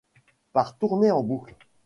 Par tourner en boucle.